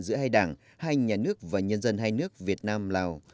giữa hai đảng hai nhà nước và nhân dân hai nước việt nam lào